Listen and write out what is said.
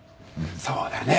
そうだね。